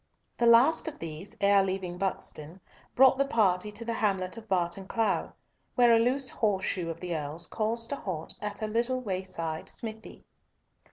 The last of these, ere leaving Buxton, brought the party to the hamlet of Barton Clough, where a loose horseshoe of the Earl's caused a halt at a little wayside smithy.